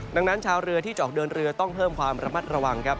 ดังนั้นชาวเรือที่จะออกเดินเรือต้องเพิ่มความระมัดระวังครับ